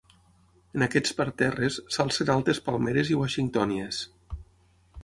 En aquests parterres s'alcen altes palmeres i washingtònies.